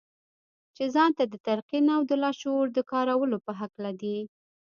چې ځان ته د تلقين او د لاشعور د کارولو په هکله دي.